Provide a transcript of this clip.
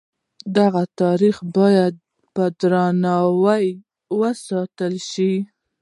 دغه تاریخ باید په درناوي وساتل شي.